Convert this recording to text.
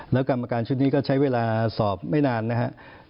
แล้วกรรมการชุดนี้ก็ใช้เวลาสอบไม่นานนะครับ